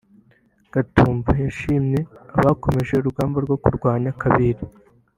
Katumbi yashimiye abakomeje urugamba rwo kurwanya Kabila